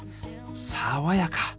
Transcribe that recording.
爽やか！